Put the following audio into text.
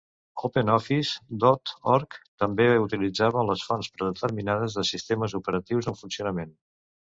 OpenOffice dot org també utilitzava les fonts predeterminades del sistemes operatius en funcionament.